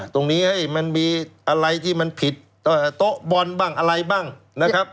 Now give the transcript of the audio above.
ตรงนี้มันมีอะไรที่มันผิดโต๊ะบอลบ้างอะไรบ้างนะครับ